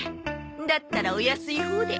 だったらお安いほうで。